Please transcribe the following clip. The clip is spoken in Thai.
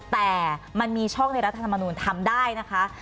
แต่มันมีช่องในรัฐธรรมนูลทำได้นะคะ